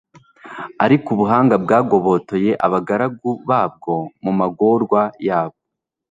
ariko ubuhanga bwagobotoye abagaragu babwo mu magorwa yabo